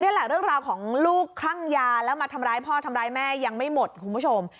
นี่แหละเรื่องราวของลูกคลั่งยาแล้วมาทำร้ายพ่อทำร้ายแม่ยังไม่หมดคุณผู้ชม